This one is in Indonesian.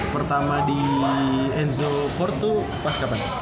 pertama di enzo court tuh pas kapan